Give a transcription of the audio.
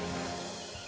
nanti ibu mau pelangi